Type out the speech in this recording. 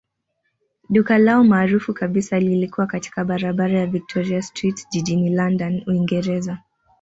Duka lao maarufu kabisa lilikuwa katika barabara ya Victoria Street jijini London, Uingereza.